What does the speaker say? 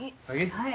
はい。